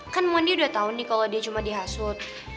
kan mondi udah tau nih kalo dia cuma dihasut